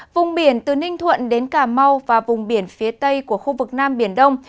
vùng biển từ ninh thuận đến cà mau và vùng biển phía tây của khu vực nam biển đông